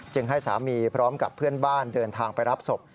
ให้สามีพร้อมกับเพื่อนบ้านเดินทางไปรับศพ